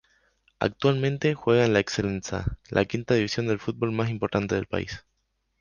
Actualmente juega en la Eccellenza, la quinta división de fútbol más importante del país.